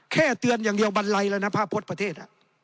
แค่เตือนอย่างเดียวบันไรแล้วนะผ้าพลตประเทศ